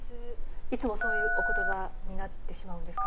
いつもそういうお言葉になってしまうんですか？